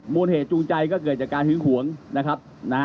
มูลเหตุจูงใจก็เกิดจากการหึงหวงนะครับนะ